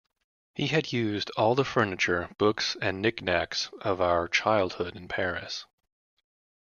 He had used all the furniture, books and knick-knacks of our childhood in Paris.